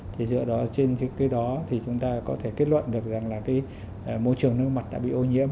thì giữa đó trên cái đó thì chúng ta có thể kết luận được rằng là cái môi trường nước mặt đã bị ô nhiễm